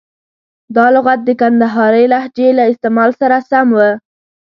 دا لغت د کندهارۍ لهجې له استعمال سره سم و.